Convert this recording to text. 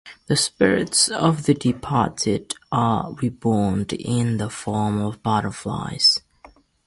The spirits of the departed are reborn in the form of butterflies.